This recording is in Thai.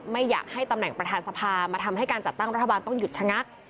ไม่อยากให้ตำแหน่งประธานสภามาทำให้การจัดตั้งรัฐบาลต้องหยุดชะงัก